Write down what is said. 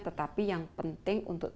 tetapi yang penting untuk